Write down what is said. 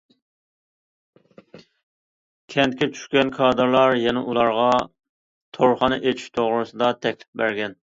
كەنتكە چۈشكەن كادىرلار يەنە ئۇلارغا تورخانا ئېچىش توغرىسىدا تەكلىپ بەرگەن.